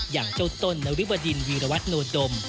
อย่างเจ้าต้นนริบดินวีรวัตโนดม